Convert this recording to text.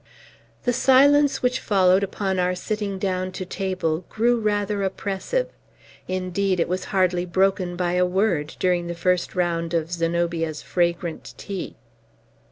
The silence which followed upon our sitting down to table grew rather oppressive; indeed, it was hardly broken by a word, during the first round of Zenobia's fragrant tea.